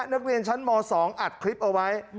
นักเรียนชั้นม๒อัดคลิปเอาไว้